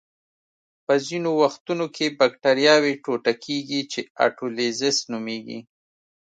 په ځینو وختونو کې بکټریاوې ټوټه کیږي چې اټولیزس نومېږي.